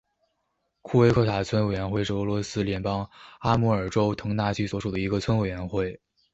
库维克塔村委员会是俄罗斯联邦阿穆尔州腾达区所属的一个村委员会。